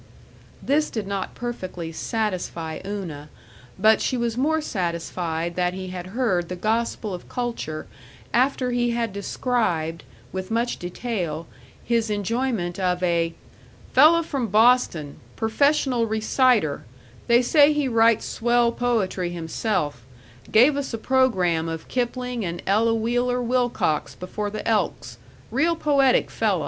This did not perfectly satisfy Una, but she was more satisfied that he had heard the gospel of culture after he had described, with much detail, his enjoyment of a "fella from Boston, perfessional reciter; they say he writes swell poetry himself; gave us a program of Kipling and Ella Wheeler Wilcox before the Elks real poetic fella."